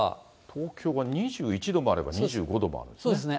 東京が２１度もあれば２５度もあるんですね。